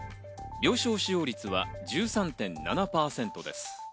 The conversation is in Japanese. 病床使用率は１３．７％。